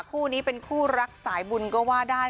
คู่นี้เป็นคู่รักสายบุญก็ว่าได้